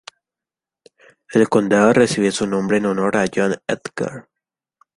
El condado recibe su nombre en honor a John Edgar.